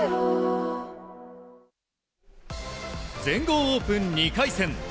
全豪オープン２回戦。